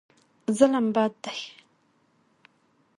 ظلم بد دی.